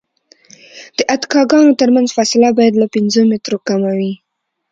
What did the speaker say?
د اتکاګانو ترمنځ فاصله باید له پنځو مترو کمه وي